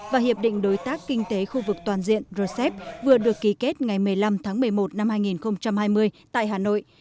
và hiệp định đối tác kinh tế khu vực toàn diện rcep vừa được ký kết ngày một mươi năm tháng một mươi một năm hai nghìn hai mươi tại hà nội